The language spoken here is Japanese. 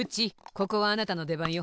ここはあなたのでばんよ。